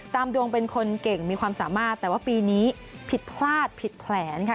ดวงเป็นคนเก่งมีความสามารถแต่ว่าปีนี้ผิดพลาดผิดแผลค่ะ